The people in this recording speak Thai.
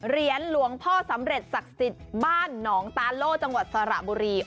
เหรียญหลวงพ่อสำเร็จศักดิ์สิทธิ์บ้านหนองตาโล่จังหวัดสระบุรี